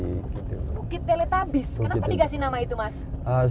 bukit teletabis kenapa dikasih nama itu mas